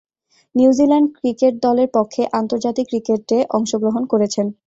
New Zealand cricket দলের পক্ষে আন্তর্জাতিক ক্রিকেটে অংশগ্রহণ করেছেন।